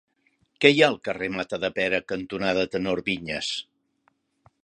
Què hi ha al carrer Matadepera cantonada Tenor Viñas?